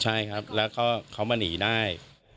ใช่ครับแล้วก็เขามาหนีได้